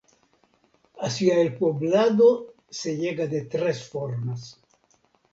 Hacia el poblado se llega de tres formas.